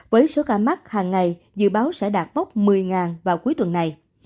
với số ca mắc hàng ngày dự báo sẽ đạt mốc một mươi vào cuối tuần này